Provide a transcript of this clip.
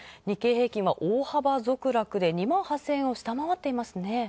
日経平均は、大幅続落で、２万８０００円を下回っていますね。